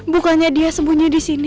bukannya dia sembunyi di sini